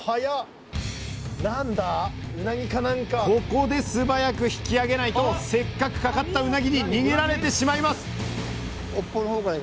ここで素早く引き上げないとせっかく掛かったうなぎに逃げられてしまいます